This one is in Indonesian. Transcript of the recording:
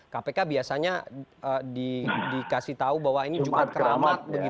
kpk biasanya dikasih tahu bahwa ini jumat keramat